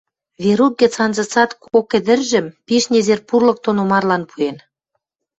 Верук гӹц анзыцат кок ӹдӹржӹм пиш незер пурлык доно марлан пуэн.